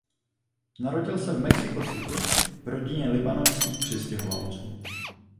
Narodil se v Mexico City v rodině libanonských přistěhovalců.